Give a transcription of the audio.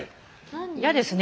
嫌ですね